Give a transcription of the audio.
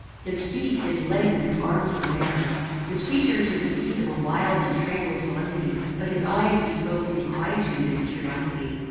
His feet, his legs, and his arms were bare. His features were the seat of a wild and tranquil solemnity, but his eyes bespoke inquietude and curiosity.